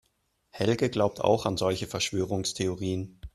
Helge glaubt auch an solche Verschwörungstheorien.